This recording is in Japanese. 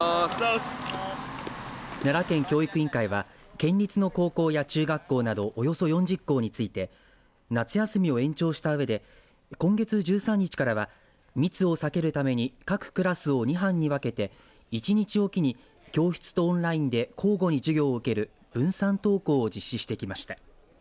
奈良県教育委員会は県立の高校や中学校などおよそ４０校について夏休みを延長したうえで今月１３日からは密を避けるために各クラスを２班に分けて１日おきに教室とオンラインで交互に授業を受ける分散登校を実施してきました。